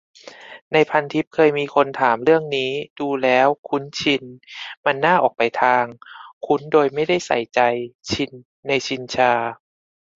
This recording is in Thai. ในพันทิปเคยมีคนถามเรื่องนี้ ดูแล้ว คุ้นชิน มันออกไปทาง คุ้นโดยไม่ได้ใส่ใจ "ชิน" ในชินชา